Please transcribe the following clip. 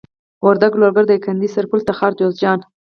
وردک لوګر دايکندي سرپل تخار جوزجان